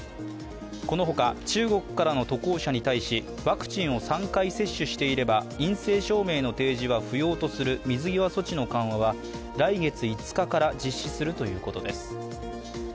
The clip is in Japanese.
このほか、中国からの渡航者に対しワクチンを３回接種していれば陰性証明の提示は不要とする不要とする水際措置の緩和は来月５日から実施するということです。